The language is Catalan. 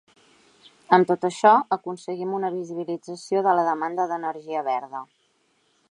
Amb tot això, aconseguim una visibilització de la demanda d’energia verda.